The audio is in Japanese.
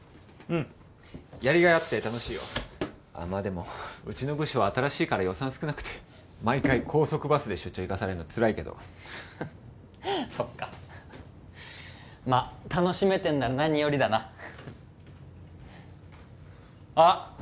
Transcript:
うんやりがいあって楽しいよまあでもうちの部署は新しいから予算少なくて毎回高速バスで出張行かされんのつらいけどそっかまっ楽しめてんなら何よりだなあっ